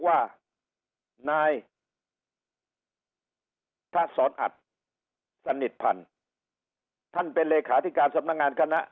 ว่านายถ้าสอนอัดสนิทพันธ์ท่านเป็นเลขาที่การสำนัก